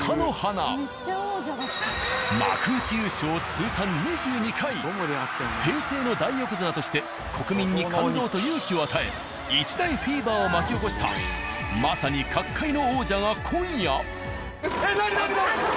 通算平成の大横綱として国民に感動と勇気を与え一大フィーバーを巻き起こしたまさに角界の王者が今夜。